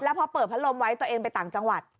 พอเปิดพัดลมไว้ตัวเองไปต่างจังหวัด